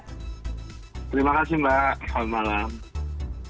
terima kasih mbak selamat malam